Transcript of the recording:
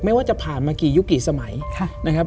ว่าจะผ่านมากี่ยุคกี่สมัยนะครับ